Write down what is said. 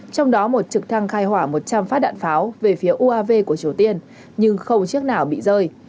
trong đó một trực thăng khai hỏa một trăm linh phát đạn pháo về phía uav của triều tiên nhưng không chiếc nào bị rơi